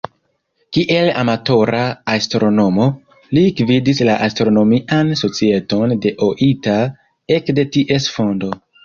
Kiel amatora astronomo, li gvidis la Astronomian Societon de Oita ekde ties fondo.